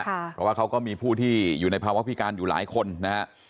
เพราะว่าเขาก็มีผู้ที่อยู่ในภาวะพิการอยู่หลายคนนะฮะ